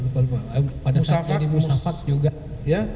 pada saat jadi musafak juga